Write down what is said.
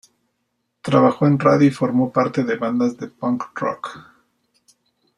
Trabajó en radio y formó parte de bandas de punk-rock.